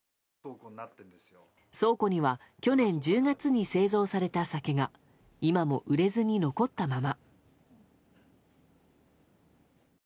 倉庫には去年１０月に製造された酒が今も売れずに残ったまま。